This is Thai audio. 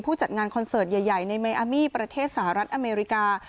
จัดงานคอนเสิร์ตใหญ่ในเมอามีประเทศสหรัฐอเมริกา